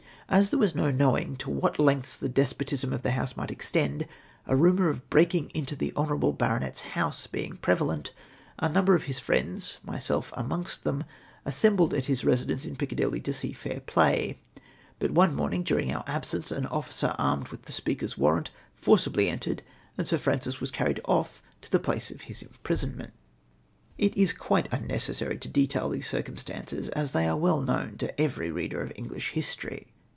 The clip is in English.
As there was no knowing to what lengths the despotism of the House might extend, a rumour of breaking into the honourable Baronet's house being prevalent, a number of ]iis friends, myself amongst them, assem bled at his residence in Piccadilly to see fair play ; but one morning, during our absence, an officer, armed with the Speaker's warrant, forcibly entered, and Sir Francis was carried off to the ])lace of his imprison ment. It is quite unnecessary to detail these circumstances, as they are Aveh knoAvn to every reader of English history.